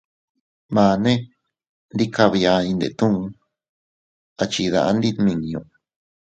Mane ndi kabia dindetuu, a chidandi nmiñu.